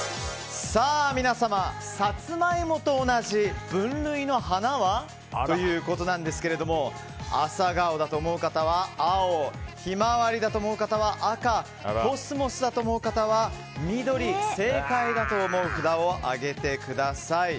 皆様サツマイモと同じ分類の花は？ということなんですがアサガオだと思う方は青ヒマワリだと思う方は赤コスモスだと思う方は緑正解だと思う札を上げてください。